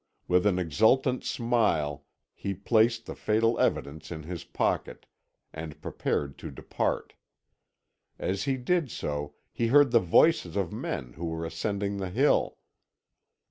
With an exultant smile he placed the fatal evidence in his pocket, and prepared to depart. As he did so he heard the voices of men who were ascending the hill.